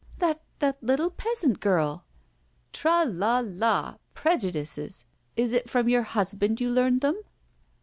"That that little peasant girl!" "Tra! la! la! Prejudices! Is it from your husband you learned them?"